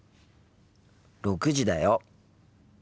６時だよ。